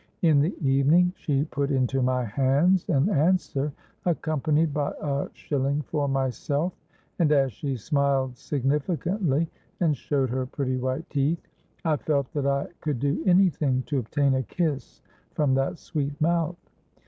In the evening she put into my hands an answer, accompanied by a shilling for myself; and as she smiled significantly, and showed her pretty white teeth, I felt that I could do any thing to obtain a kiss from that sweet mouth.